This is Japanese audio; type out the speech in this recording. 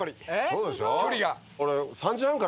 そうでしょ。